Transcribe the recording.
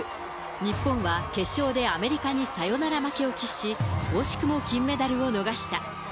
日本は決勝でアメリカにサヨナラ負けを喫し、惜しくも金メダルを逃した。